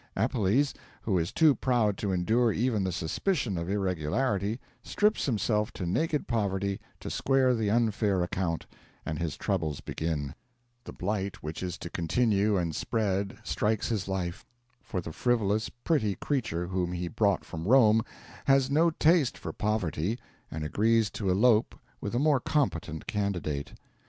Appelles, who is too proud to endure even the suspicion of irregularity, strips himself to naked poverty to square the unfair account, and his troubles begin: the blight which is to continue and spread strikes his life; for the frivolous, pretty creature whom he brought from Rome has no taste for poverty and agrees to elope with a more competent candidate.